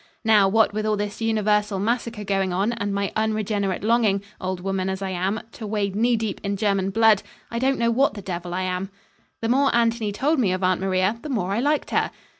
Now, what with all this universal massacre going on and my unregenerate longing, old woman as I am, to wade knee deep in German blood, I don't know what the devil I am." The more Anthony told me of Aunt Maria, the more I liked her.